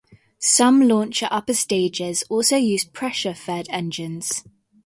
Some launcher upper stages also use pressure-fed engines.